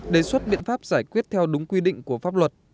đề xuất biện pháp giải quyết theo đúng quy định của pháp luật